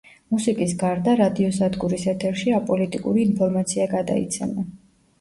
მუსიკის გარდა, რადიოსადგურის ეთერში აპოლიტიკური ინფორმაცია გადაიცემა.